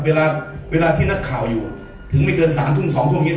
เวลาเวลาที่นักข่าวอยู่ถึงไม่เกินสามทุ่มสองทุ่มอย่างงี้